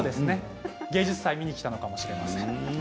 芸術祭を見に来たのかもしれません。